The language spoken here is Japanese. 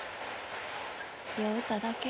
酔うただけ。